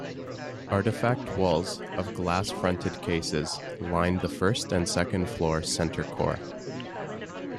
Artifact walls, of glass-fronted cases, line the first and second floor center core.